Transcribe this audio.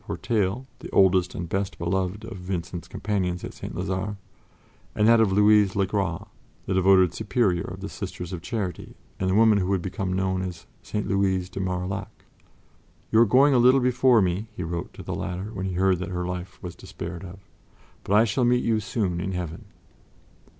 Portail, the oldest and best beloved of Vincent's companions at St. Lazare, and that of Louise le Gras, the devoted Superior of the Sisters of Charity and the woman who would become known as St. Louise de Marillac. "You are going a little before me," he wrote to the latter when he heard that her life was despaired of, "but I shall meet you soon in Heaven."